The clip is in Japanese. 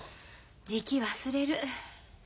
じき忘れる。